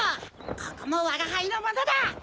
ここもわがはいのものだ！